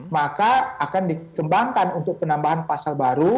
maka akan dikembangkan untuk penambahan pasal baru